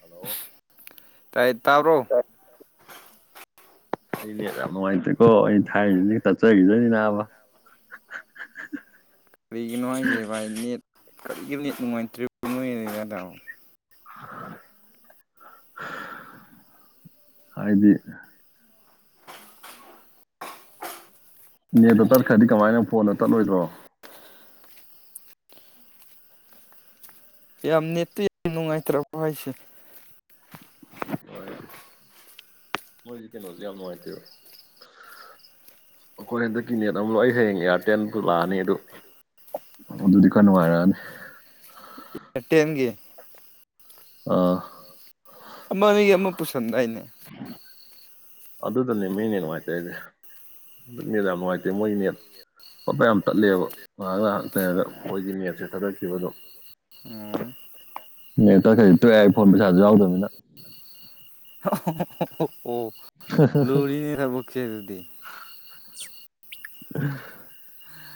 hello ꯇꯥꯏ ꯇꯥꯕ꯭ꯔꯣ ꯑꯩꯅꯦ ꯌꯥꯝ ꯅꯨꯡꯉꯥꯏꯇꯦꯀꯣ ꯑꯩꯅ ꯊꯥꯏꯔꯤꯁꯤꯅꯦ ꯇꯠꯆꯈꯤꯗꯣꯏꯅꯤꯅꯥꯕ [inaudible] ꯀꯔꯤꯒꯤ ꯅꯨꯡꯉꯥꯏꯖꯩ ꯚꯥꯏ ꯅꯦꯠ ꯀꯔꯤꯒꯤ ꯅꯦꯠ ꯅꯨꯡꯉꯥꯏꯇ꯭ꯔꯤꯕꯖꯗ ꯍꯥꯏꯗꯤ ꯅꯦꯠꯇ ꯇꯠꯈ꯭ꯔꯗꯤ ꯀꯃꯥꯏꯅ ꯐꯣꯟꯗ ꯇꯠꯂꯣꯏꯗ꯭ꯔꯣ ꯌꯥꯝ ꯅꯦꯠꯇꯨ ꯌꯥꯝ ꯅꯨꯡꯉꯥꯏꯇ꯭ꯔꯕ ꯍꯥꯏꯁꯦ ꯃꯣꯏꯖꯤꯦ ꯅꯖꯝ ꯃ ꯏꯠꯇ ꯑꯩꯈꯣꯏ ꯍꯟꯗꯛꯀꯤ ꯅꯠ ꯑꯃꯛ ꯂ ꯑꯩ ꯍꯌꯦꯡ ꯏꯌꯥꯔꯇꯦꯜ ꯂꯥꯛꯑꯅꯤ ꯑꯗꯨ ꯑꯗꯨꯗꯤ ꯀ ꯅꯨꯡꯉꯥꯏꯔꯅꯤ ꯑꯦꯠꯇꯤꯦꯝꯒꯤ ꯑꯥ ꯑꯃ ꯑ ꯑꯃ ꯄꯨꯁꯟꯗꯥꯏꯅꯦ ꯑꯗꯨꯗꯅꯦ ꯃꯤꯅꯦ ꯅꯨꯡꯉꯥꯏꯇꯦ ꯍꯥꯏꯁꯦ ꯑꯗꯨꯅꯦ ꯌꯥꯝ ꯅꯨꯡꯉꯥꯏꯇꯦ ꯃꯣꯏꯅꯦ ꯄꯠꯄ ꯌꯥꯝ ꯇꯠꯂꯦꯕ ꯉꯥꯏꯍꯥꯛ ꯉꯥꯏꯍꯥꯛ ꯇꯪꯉꯒ ꯃꯣꯏꯒꯤ ꯃꯦꯞꯁꯦ ꯊꯥꯗꯈꯤꯕꯗꯣ ꯎꯝ ꯅ ꯇꯈꯖꯤ ꯇꯣꯏ ꯐꯣꯟ ꯄꯩꯁꯥꯁꯨ ꯌꯥꯎꯗꯅꯤꯅ [inaudible] ꯍ ꯃꯤꯔꯥꯕꯨ ꯈꯦꯔꯗꯤ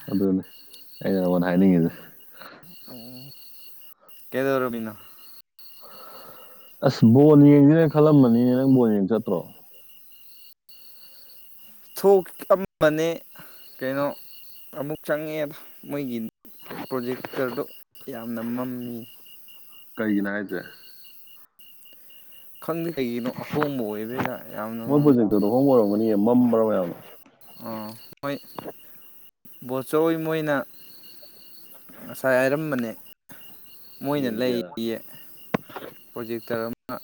ꯎꯝ ꯑꯗꯨꯅꯦ ꯑꯩꯅ ꯅꯉꯣꯟꯗ ꯍꯥꯏꯅꯤꯡꯉꯤꯁꯦ ꯎꯝ ꯀꯩꯗꯧꯔꯝꯃꯤꯅꯣ ꯑꯁ ꯕꯣꯜ ꯌꯦꯡꯁꯤꯦꯅ ꯈꯜꯂꯝꯃꯅꯤꯅꯦ ꯅꯪ ꯕꯣꯜ ꯌꯦꯡ ꯆꯠꯇ꯭ꯔꯣ ꯊꯣꯛꯝꯕꯅꯦ ꯀꯩꯅꯣ ꯑꯃꯨꯛ ꯆꯪꯉꯦꯗ ꯃꯣꯏꯒꯤ ꯄ꯭ꯔꯣꯖꯦꯛꯇꯔꯗꯣ ꯌꯥꯝꯅ ꯃꯝꯃꯤ ꯀꯔꯤꯒꯤꯅꯣ ꯍꯥꯏꯁꯦ ꯈꯪꯗꯦ ꯀꯩꯒꯤꯅꯣ ꯑꯍꯣꯡꯕ ꯑꯣꯏꯗꯣꯏꯔꯥ ꯌꯥꯝꯅ ꯃꯝꯃꯤ ꯃꯍꯣꯡ ꯑꯣꯏꯔꯝꯒꯅꯤ ꯃꯝꯕ꯭ꯔꯥ ꯃꯌꯥꯝꯅ ꯑ ꯃꯣꯏ ꯕꯣꯠꯆꯧ ꯃꯣꯏꯅ ꯉꯁꯥꯏ ꯍꯥꯏꯔꯝꯕꯅꯦ ꯃꯣꯏꯅ ꯌꯦꯡꯁꯦꯅ ꯂꯩꯌꯦ ꯄ꯭ꯔꯣꯖꯦꯛꯇꯔ ꯑꯃ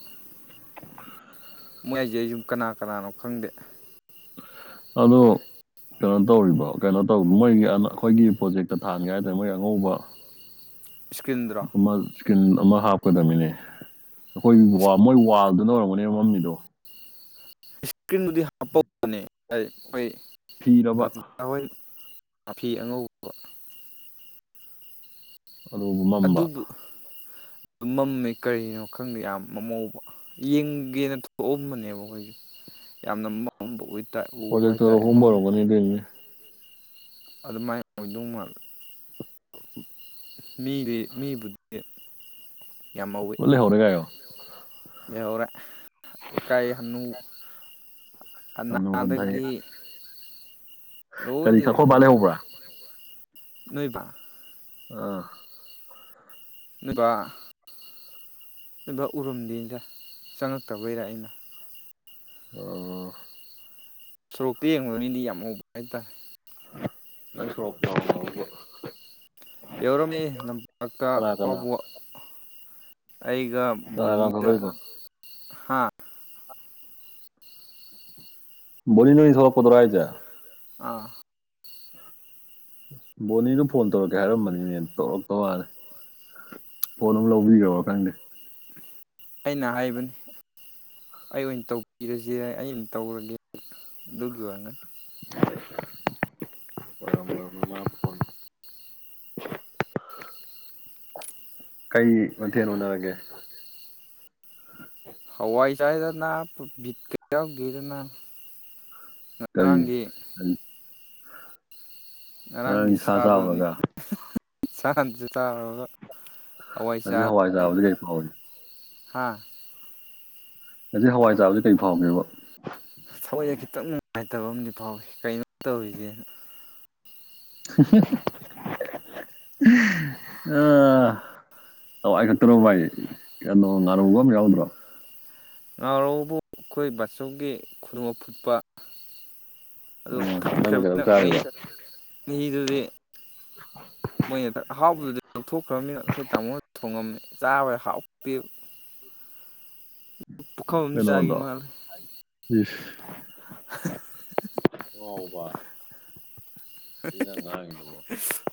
ꯃꯣꯏ ꯍꯥꯏꯁꯦ ꯑꯩ ꯁꯨꯝ ꯀꯅꯥ ꯀꯅꯥꯅꯣ ꯈꯪꯗꯦ ꯑꯗꯣ ꯀꯩꯅꯣ ꯇꯧꯔꯤꯕ ꯀꯩꯅꯣ ꯇꯧ ꯃꯣꯏꯒꯤ ꯑꯩꯈꯣꯏꯒꯤ ꯄ꯭ꯔꯣꯖꯦꯛꯇ ꯊꯥꯡꯉꯦ ꯍꯥꯏꯇꯥꯔꯦ ꯃꯣꯏ ꯑꯉꯧꯕ ꯏꯁꯀ꯭ꯔꯤꯟꯗꯨꯔꯣ ꯑꯃ ꯑꯃ ꯍꯥ ꯆꯠꯀꯗꯃꯤꯅꯦ ꯑꯩꯈꯣꯏ ꯃꯣꯏ ꯋꯥꯜꯗꯨꯅ ꯑꯣꯏꯔꯝꯒꯅꯦꯕ ꯃꯝꯃꯤꯗꯣ ꯏꯁꯀ꯭ꯔꯤꯟꯗꯨꯗꯤ ꯍꯥꯞꯄꯅꯤ ꯑꯩꯈꯣꯏ ꯐꯤꯔꯕ ꯍꯣꯏ ꯃꯥꯐꯤ ꯑꯉꯧꯕ ꯑꯗꯨꯕꯨ ꯃꯝꯕ ꯑꯗꯨ ꯃꯝꯃꯦ ꯀꯔꯤꯅꯣ ꯈꯪꯗꯦ ꯌꯥꯝ ꯃꯃꯧꯕ ꯌꯦꯡꯒꯦꯅ ꯊꯣꯛꯑꯝꯕꯅꯦꯕ ꯑꯩꯈꯣꯏꯁꯦ ꯌꯥꯝꯅ ꯃꯝꯃꯝꯕ ꯑꯣꯏ ꯄꯣꯖꯦ ꯀꯕꯔꯣꯒꯅꯤꯗ ꯑꯗꯨꯃꯥꯏꯅ ꯑꯣꯏꯗꯧ ꯃꯥꯜꯂꯦ ꯃꯤꯦ ꯃꯤꯕꯨ ꯌꯥꯝ ꯉꯧꯋꯤ ꯂꯣꯏ ꯂꯩꯍꯧꯔꯦ ꯀꯥꯏꯌꯣ ꯂꯩꯍꯧꯔꯦ ꯂꯩꯀꯥꯏ ꯍꯥꯅꯨ ꯍꯟꯅꯨ ꯍꯟꯊꯩ ꯑꯗꯒꯤ ꯀꯔꯤ ꯈꯈꯣꯏꯕ ꯂꯩꯦ ꯍꯧꯕ꯭ꯔꯥ ꯅꯣꯏꯕ ꯑꯥ ꯅꯨꯄꯥ ꯚ ꯎꯔꯝꯗꯦꯗ ꯆꯪꯉꯛꯇꯕꯩꯔꯥ ꯑꯩꯅ ꯑꯣ ꯁꯣꯔꯣꯛꯇ ꯌꯦꯡꯉꯨꯕꯅꯤꯗꯤ ꯌꯥꯝ ꯎꯧꯕ ꯍꯥꯏꯇꯥꯔꯦ ꯅꯪ ꯁꯣ ꯇꯕ ꯌꯧꯔꯝꯃꯤ ꯂꯝꯄꯥꯛꯇ ꯀꯅꯥ ꯄꯥꯎꯕ ꯑꯩꯒ ꯀꯅꯥ ꯀꯅꯥ ꯕꯣꯅꯤꯒ ꯊꯣꯛꯂꯛꯏꯕ ꯍꯥ ꯣ ꯅ ꯁꯂꯛꯄꯗꯔ ꯍꯥꯏꯖ ꯑꯥ ꯕꯣꯅꯤꯗꯨ ꯐꯣꯟ ꯇꯧꯔꯛꯀꯦ ꯍꯥꯏꯔꯝꯕꯅꯤꯅꯦ ꯇꯧꯔꯛꯇꯧ ꯃꯥꯅꯤ ꯐꯣꯟ ꯑꯃꯝ ꯂꯧꯕꯤꯈꯣ ꯈꯪꯗꯦ ꯑꯩꯅ ꯍꯥꯏꯕꯅꯤ ꯑꯩ ꯑꯣꯏꯅ ꯇꯧꯕꯤꯔꯁꯦ ꯑꯩꯅ ꯇꯧꯔꯒꯦ ꯗꯒ ꯌꯥ ꯋꯥꯒꯅꯤ ꯋꯥꯔꯔ ꯀꯩ ꯃꯅ ꯎꯅꯔꯒꯦ ꯍꯋꯥꯏ ꯆꯥꯏꯗꯅ ꯕꯤꯠ ꯀ ꯌꯥꯎꯈꯤꯗꯅ ꯀꯔꯤ ꯉꯔꯥꯡꯒꯤ ꯀꯔꯤ ꯉꯔꯥꯡ ꯉꯔꯥꯡꯒꯤ ꯁꯥ ꯁꯥꯗꯨꯅꯤ ꯆꯥꯎꯔꯒ ꯁꯥꯗꯨꯁꯨ ꯇꯥꯔꯒ ꯑꯗꯨ ꯍꯋꯥꯏ ꯇꯥꯕꯗꯤ ꯀꯩ ꯐꯥꯎꯕꯅꯤ ꯍꯥꯥ ꯑꯁꯤ ꯍꯋꯥꯏ ꯆꯥꯕꯁꯤ ꯀꯔꯤ ꯐꯥꯎꯒꯦꯕ ꯊꯑꯣꯣꯏꯏꯁꯦ ꯈꯤꯇꯪ ꯅꯨꯡꯉꯥꯏꯇꯕ ꯑꯃꯗꯤ ꯐꯥꯎꯏ ꯀꯩꯅꯣ ꯇꯧꯔꯤꯁꯦ ꯑꯥ ꯑ ꯑꯩ ꯈꯛꯇꯔꯣ ꯚꯥꯏ ꯀꯩꯅꯣ ꯉꯥꯔꯨꯕ ꯑꯃ ꯌꯥꯎꯗ꯭ꯔꯣ ꯉꯥꯎꯔꯕꯨ ꯑꯩꯈꯣꯏ ꯕꯥꯆꯧꯒꯤ ꯈꯨꯗꯣꯡ ꯑ ꯐꯨꯠꯄ ꯑꯗꯨ ꯑꯣ ꯅꯪꯅ ꯀꯩꯅꯣꯝ ꯐꯨꯠꯈ꯭ꯔꯕꯅꯤꯅ ꯃꯍꯤ ꯆꯥꯔꯤꯕ ꯃꯍꯤꯗꯨꯗꯤ ꯃꯣꯏꯅ ꯑꯍꯥꯎꯕꯗꯨꯗꯤ ꯂꯧꯊꯣꯛꯈ꯭ꯔꯕꯅꯤꯅ ꯑꯩꯈꯣꯏ ꯇꯥꯃꯣꯗ ꯊꯣꯡꯉꯝꯃꯤ ꯆꯥꯕꯥꯎ ꯅꯨꯄꯤꯨ ꯀꯅꯣꯗꯣ ꯃꯥꯜꯂꯦ ꯑꯕ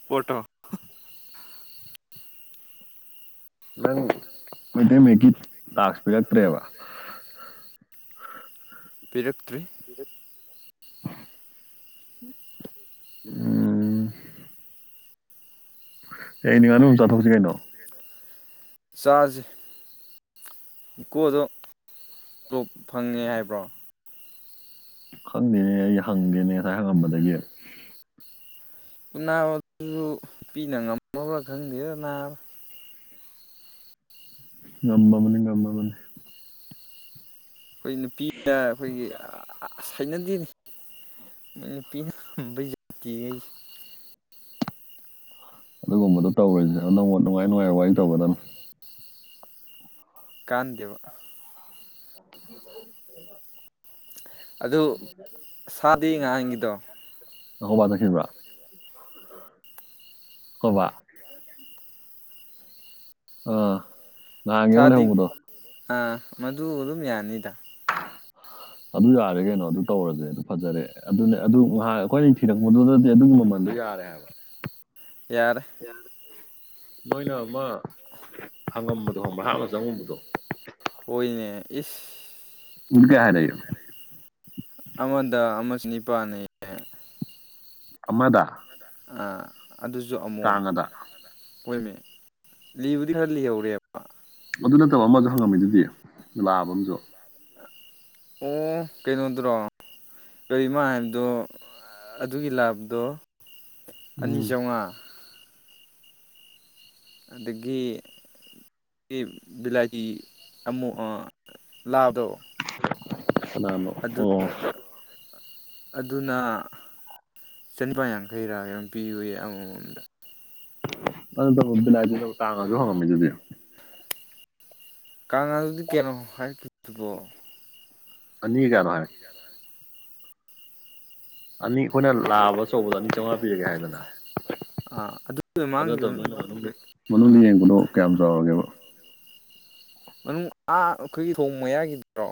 ꯄꯇꯣ ꯅ ꯅꯪ ꯃꯩꯇꯩ ꯃꯌꯦꯛꯀꯤ ꯇꯥꯛꯁ ꯄꯤꯔꯛꯇ꯭ꯔꯦꯕ ꯄꯤꯔꯛ ꯍꯗ ꯎꯝ ꯑꯦ ꯅꯤꯡꯉꯥ ꯑꯗꯨ ꯆꯥꯊꯣꯛꯁꯤ ꯀꯩꯅꯣ ꯆꯖꯩ ꯏꯀꯣꯗꯣꯞ ꯐꯪꯉꯦ ꯍꯥꯏꯕ꯭ꯔꯣ ꯈꯪꯗꯦꯅꯦ ꯑꯩ ꯍꯪꯒꯦꯅꯦ ꯉꯁꯥꯏ ꯍꯪꯉꯝꯕꯗꯒꯤ ꯅꯥꯕ ꯑꯗꯨꯁꯨ ꯄꯤꯛꯅ ꯉꯝꯃꯕ꯭ꯔꯥ ꯈꯪꯗꯦꯔ ꯅꯥꯕ ꯉꯝꯕ ꯃꯅꯤ ꯉꯝꯕ ꯃꯅꯤ ꯑꯩꯈꯣꯏ ꯅꯨꯄꯤꯅ ꯑꯩꯈꯣꯏꯒꯤ ꯊꯥꯏꯅꯗꯤ ꯃꯄꯤꯅꯖꯀꯤꯦ [unintelligible] ꯑꯗꯨꯒꯨꯝꯕꯗꯣ ꯇꯧꯔꯤꯁꯦ ꯅꯪꯉꯣꯟ ꯅꯨꯡꯉꯥꯏ ꯅꯨꯡꯉꯥꯏ ꯋꯥꯔꯤ ꯇꯧꯕꯗꯅ ꯀꯥꯟꯗꯕ [unintelligible] ꯑꯗꯨ ꯁꯥꯗꯤ ꯉꯍꯥꯟꯒꯤꯗꯣ [unintelligible] ꯀꯕꯥ ꯅ꯭ꯔ ꯀꯕꯥ ꯑ ꯅꯦ ꯃꯦ ꯁꯥꯗꯤ ꯍꯗꯣ ꯑꯥ ꯃꯗꯨ ꯑꯗꯨꯝ ꯌꯥꯅꯤꯗ ꯑꯗꯨ ꯌꯥꯔꯦ ꯀꯩꯅꯣ ꯑꯗꯨ ꯇꯧꯔꯁꯦ ꯑꯗꯨ ꯐꯖꯔꯦ ꯑꯗꯨꯅꯦ ꯑꯗꯨ ꯉꯍ ꯑꯩꯈꯣꯏꯅ ꯊꯤꯔꯛꯄꯗꯨꯗꯗꯤ ꯑꯗꯨꯒꯨꯝꯕꯜ ꯖꯥꯔꯦ ꯋꯥ ꯌꯥꯔ ꯅꯣꯏꯅ ꯑꯃ ꯍꯪꯉꯝꯕꯗꯣ ꯍꯪꯕ꯭ꯔ ꯍꯥꯞꯅ ꯆꯪꯉꯕꯗꯣ ꯑꯣꯏꯅꯅꯦ ꯏꯁ ꯏ ꯀꯦ ꯍꯥꯏꯔꯣ ꯑꯃꯗ ꯑꯃꯁꯨ ꯅꯤꯄꯥꯜꯅꯤ ꯑꯃꯗ ꯑꯗꯨꯁꯨ ꯑꯃꯣꯝ ꯀꯥꯡꯉꯗ ꯑꯣꯏꯃꯦ ꯂꯤꯕꯨꯗꯤ ꯈꯔ ꯂꯤꯍꯧꯔꯦꯕ ꯑꯗꯨ ꯅꯠꯇꯕ ꯑꯃꯁꯨ ꯍꯪꯉꯝꯃꯤꯗꯨꯗꯤ ꯂꯥꯛꯑꯕ ꯑꯃꯁꯨ ꯑꯣ ꯀꯩꯅꯣꯗ꯭ꯔꯣ ꯀꯔꯤꯃ ꯍꯥꯏꯕꯗꯣ ꯑꯗꯨꯒꯤ ꯂꯥꯕꯗꯣ ꯑꯅꯤ ꯎꯝ ꯆꯥꯝꯃꯉꯥ ꯑꯗꯒꯤ ꯕꯤꯂꯥꯀꯤ ꯑꯃꯛ ꯂꯥꯎꯗ ꯅꯥꯃꯣ ꯑꯣ ꯑꯗꯨꯅ ꯆꯅꯤꯄꯥ ꯌꯥꯡꯈꯩ ꯔꯥ ꯌ ꯄꯤꯌꯨꯏ ꯑꯃꯃꯝꯗ ꯑꯗꯨ ꯇ ꯕꯤꯂꯥꯏꯗꯨꯗ ꯇꯥꯡꯉꯁꯨ ꯍꯪꯉꯝꯃꯤ ꯑꯗꯨꯗꯤ ꯀꯪꯂꯥꯗꯨꯗꯤ ꯀꯩꯅꯣ ꯍꯥꯏꯈꯤꯕꯕꯣ ꯑꯅꯤ ꯀꯌꯥꯅꯅꯨꯡ ꯍꯥꯏꯔꯦ ꯑꯅꯤ ꯑꯩꯈꯣꯏꯅ ꯂꯥꯛꯑꯕ ꯑꯆꯧꯕꯗ ꯑꯅꯤ ꯆꯥꯝꯃꯉꯥ ꯄꯤꯔꯒꯦ ꯍꯥꯏꯗꯅ ꯑꯥ ꯑꯗꯨꯒꯤ ꯑꯗꯨ ꯃꯃꯥꯡꯒꯤꯗꯨ ꯅꯠꯇꯕꯅꯤꯅ ꯃꯅꯨꯡꯗ ꯌꯦꯡꯕꯅꯣ ꯀꯌꯥꯝ ꯆꯥꯎꯔꯒꯦꯕ ꯃꯅꯨꯡ ꯑꯥ ꯑꯩꯈꯣꯏꯒꯤ ꯊꯣꯡ ꯃꯌꯥꯒꯤꯗ꯭ꯔꯣ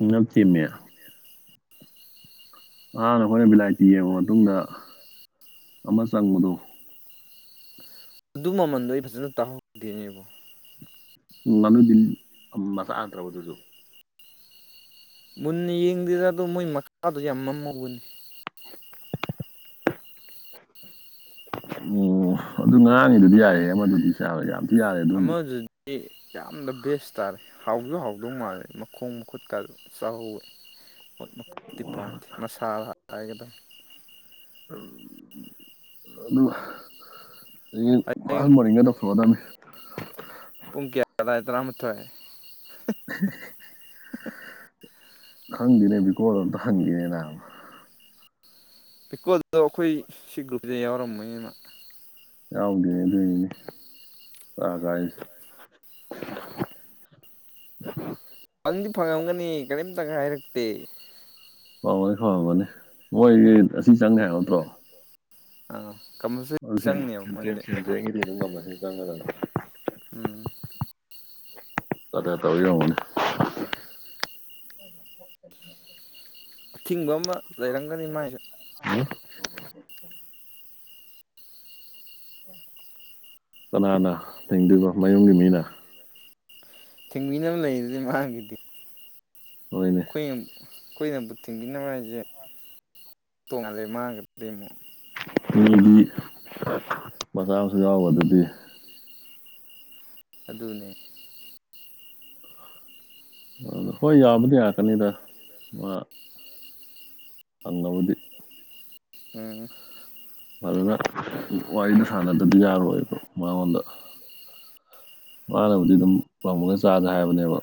ꯎ ꯉꯠꯇꯌꯥ ꯅꯠꯇꯦꯅꯦ ꯑꯉꯥꯡ ꯑꯍꯥꯟꯅ ꯑꯩꯈꯣꯏꯅ ꯕꯤꯂꯥꯏꯇꯤ ꯌꯦꯡꯉ ꯃꯇꯨꯡꯗ ꯑꯃ ꯆꯪꯕꯗꯣ ꯑꯗꯨ ꯃꯃꯟꯗꯣ ꯑꯩ ꯐꯖꯅ ꯇꯥꯍꯧꯗꯅꯦꯕ ꯎ ꯃꯆꯥꯠꯇ꯭ꯔꯕ ꯑꯗꯨꯁꯨ ꯃꯨꯟꯅ ꯌꯦꯡꯗ꯭ꯗꯥ ꯑꯗꯨ ꯃꯣꯏ ꯃꯈꯥꯗꯣ ꯌꯥꯝ ꯃꯝꯃꯧꯕꯅꯤ ꯎꯝ ꯑꯗꯨ ꯉꯔꯥꯡꯅꯤꯗꯨꯗꯤ ꯌꯥꯔꯦꯦ ꯉꯔꯥꯡꯒꯤꯗꯨꯗꯤ ꯌꯥꯏꯌꯦ ꯑꯃꯗꯨꯗꯤ ꯁꯥꯔꯦ ꯌꯥꯝꯁꯨ ꯌꯥꯔꯦ ꯑꯗꯨꯝꯗꯤ ꯑꯃꯗꯨꯗꯤ ꯌꯥꯝꯅ ꯕꯦꯁ ꯇꯥꯔꯦ ꯍꯥꯎꯁꯨ ꯍꯥꯎꯗꯧ ꯃꯥꯜꯂꯦ ꯈꯣꯡ ꯃꯈꯨꯠꯀ ꯑꯗꯨ ꯆꯥꯎꯍꯧꯋꯦ ꯃꯣꯠ ꯃꯈꯨꯠꯇꯤ ꯄꯥꯟꯊꯦ ꯃꯁꯥ ꯗꯥꯥꯏꯒꯗ ꯎꯝ ꯑꯗꯨ ꯑꯗꯒꯤ ꯐꯥꯁ ꯍꯌꯦꯡ ꯃꯕꯣꯔꯤꯡꯒ ꯇꯧꯊꯣꯛꯑꯗꯕꯅꯤ ꯀꯗꯥ ꯏꯗꯅꯥ ꯃꯊꯦ [unintelligible] ꯈꯪꯗꯅꯦ ꯀꯣꯜꯗ ꯈꯪꯗꯅꯦꯅ ꯄꯤꯀꯣꯜꯗꯣ ꯑꯩꯈꯣꯏ ꯁꯤ ꯒ꯭ꯔꯨꯞꯁꯤꯗ ꯌꯥꯎꯔꯝꯝꯕꯅꯤꯅ ꯌꯥꯎꯗꯅꯦ ꯑꯗꯨꯏꯅꯤꯅꯦ ꯀ ꯀꯔꯤꯁꯦ ꯑ ꯅꯪꯗꯤ ꯐꯪꯉꯝꯒꯅꯤ ꯀꯔꯤꯝꯇ ꯍꯥꯏꯔꯛꯇꯦ ꯍꯝꯒꯅꯤ ꯈꯝꯒꯅꯤ ꯃꯣꯏꯒꯤ ꯑꯁꯤ ꯆꯪꯉꯦ ꯍꯥꯏꯕ ꯅꯠꯇ꯭ꯔꯣ ꯑ ꯆꯉꯗꯅ [unintelligible] ꯀ ꯇ ꯍꯅ ꯑꯊꯤꯡꯕ ꯑꯃ ꯂꯩꯔꯝꯒꯅꯤ ꯃꯥꯏꯁꯦ ꯀꯅꯥꯅ ꯊꯤꯡꯗꯣꯏꯅꯣ ꯃꯌꯨꯝꯒꯤ ꯃꯤꯅ ꯊꯤꯡꯕꯤꯅꯕ ꯂꯩꯔꯗꯤ ꯃꯥꯒꯤꯗꯤ ꯍꯣꯏꯅꯦ ꯈꯨꯨꯝ ꯑꯩꯈꯣꯏꯅꯕꯨꯠ ꯊꯤꯡꯕꯤꯅꯕ ꯍꯥꯏꯁꯦ ꯇꯣꯡꯉꯜꯂꯦ ꯃꯥꯡꯒꯗꯔꯤ ꯑꯃꯨꯛ ꯃꯤꯑꯣꯏꯗꯤ ꯃꯆꯥ ꯑꯃꯁꯁꯨ ꯌꯥꯎꯕ ꯑꯗꯨꯗꯤ ꯑꯗꯨꯅꯦ ꯑ ꯍꯣꯏ ꯌꯥꯕꯗꯤꯌꯥ ꯀꯅꯤꯗ ꯑꯉꯥꯎꯗꯤ ꯎꯝ ꯑꯗꯨꯅ ꯋꯥꯔꯤꯗꯨ ꯁꯥꯟꯅꯗꯕꯗꯤ ꯌꯥꯔꯣꯏꯕ ꯃꯉꯣꯟꯗ ꯃꯥꯥꯟꯅꯕꯨꯗꯤ ꯑꯗꯨꯝ ꯄꯃꯨꯛꯒ ꯆꯥꯗ ꯍꯥꯏꯕꯅꯦꯕ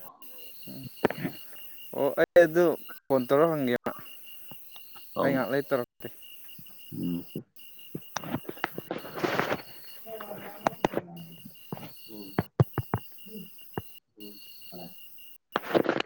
ꯑꯣ ꯑꯩ ꯑꯗꯨ ꯐꯣꯟ ꯇꯧꯔ ꯍꯪꯒꯦꯅ ꯑꯩ ꯑꯪ ꯉꯥꯏꯍꯥꯛ ꯂꯩ ꯇꯧꯔꯀꯦ ꯎꯝ ꯎꯝ ꯎꯝ